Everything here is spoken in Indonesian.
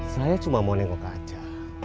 saya cuma mau nengok aja